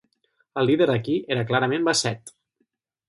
El líder aquí era clarament Bassett.